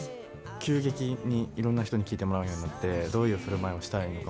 急激にいろんな人に聴いてもらうようになってどういう振る舞いをしたらいいのか